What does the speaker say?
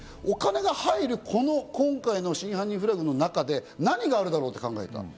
お金が入る今回の『真犯人フラグ』の中で何があるだろうと考えた。